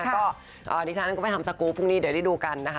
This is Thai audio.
ก็ดิฉันก็ไปทำสกูลพรุ่งนี้เดี๋ยวได้ดูกันนะคะ